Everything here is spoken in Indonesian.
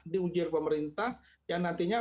diuji oleh pemerintah yang nantinya